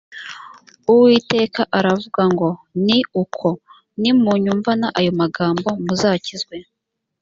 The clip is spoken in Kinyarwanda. uwiteka aravuga ngo ni uko nimunyumvana ayo magambo muzakizwe